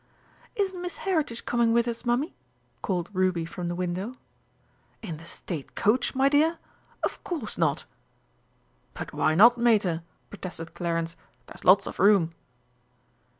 "Isn't Miss Heritage coming with us, Mummy?" called Ruby from the window. "In the State Coach, my dear! Of course not!" "But why not, Mater?" protested Clarence. "There's lots of room."